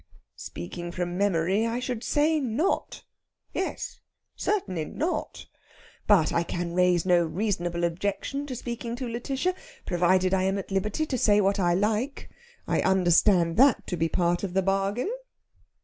"Speaking from memory I should say not. Yes certainly not. But I can raise no reasonable objection to speaking to Lætitia, provided I am at liberty to say what I like. I understand that to be part of the bargain."